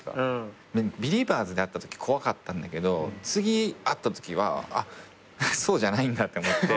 『ビリーバーズ』で会ったとき怖かったんだけど次会ったときはそうじゃないんだって思って。